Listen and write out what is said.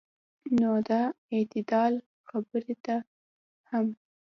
نو د اعتدال خبرې ته هم